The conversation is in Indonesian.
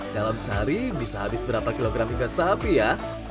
dalam sehari bisa habis berapa kilogram iga sapi ya